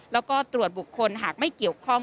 แล้วก็ตรวจบุคคลหากไม่เกี่ยวข้อง